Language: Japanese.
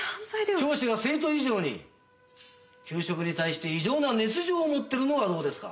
教師が生徒以上に給食に対して異常な熱情を持っているのはどうですか？